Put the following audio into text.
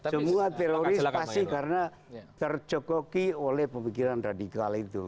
semua teroris pasti karena tercokoki oleh pemikiran radikal itu